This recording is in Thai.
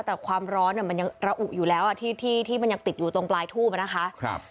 แต่ความร้อนมันยังระอุอยู่แล้วที่ที่มันยังติดอยู่ตรงปลายทูบนะคะ